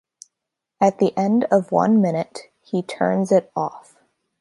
At the end of one minute, he turns it off.